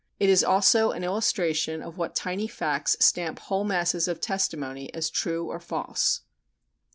It is also an illustration of what tiny facts stamp whole masses of testimony as true or false.